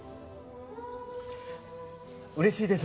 うれしいです。